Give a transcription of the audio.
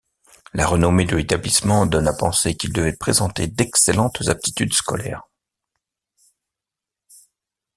La renommée de l'établissement donne à penser qu'il devait présenter d'excellentes aptitudes scolaires.